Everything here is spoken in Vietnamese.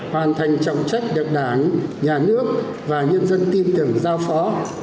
hoàn thành trọng trách được đảng nhà nước và nhân dân tin tưởng giao phó